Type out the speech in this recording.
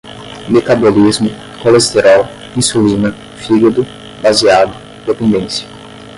metabolismo, colesterol, insulina, fígado, baseado, dependência